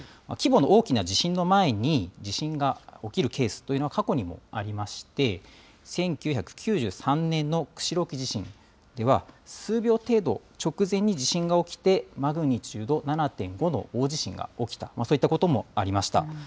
規模の大きな地震の前に地震が起きるケースというのは過去にもありまして、１９９３年の釧路沖地震では、数秒程度直前に地震が起きて、マグニチュード７．５の大地震が起きた、そういったこともありました。